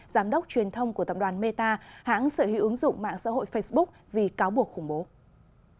giám đốc truyền thông của tập đoàn meta hãng sở hữu ứng dụng mạng xã hội facebook vì cáo buộc khủng bố